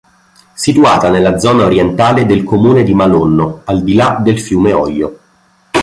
Situata nella zona orientale del comune di Malonno al di là del fiume Oglio.